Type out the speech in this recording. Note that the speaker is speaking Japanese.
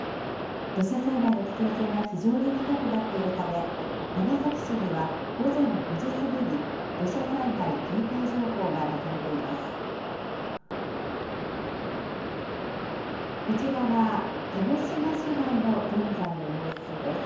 土砂災害の危険性が非常に高くなっているため、長崎市には午前５時過ぎに、土砂災害警戒情報が出されています。